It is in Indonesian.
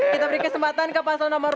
kita beri kesempatan ke pasal nomor tiga